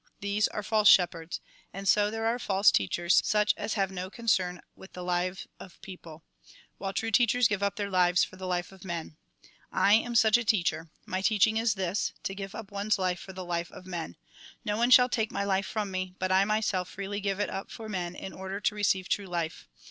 These are false shepherds. And so there are false teachers, such as have no concern with the life of people ; while true teachers give up their lives for the life of men. " I am such a teacher. My teaching is this, — to give up one's life for the life of men. No one shall take my life from me, but I myself freely give it up for men, in order to receive true life.